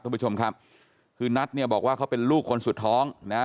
ท่านผู้ชมครับคือนัทเนี่ยบอกว่าเขาเป็นลูกคนสุดท้องนะ